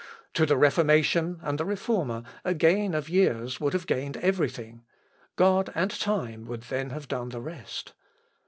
To the Reformation and the Reformer a gain of years would have gained every thing. God and time would then have done the rest.